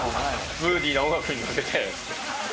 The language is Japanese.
ムーディーな音楽にのせて。